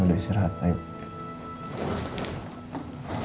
udah istirahat ayo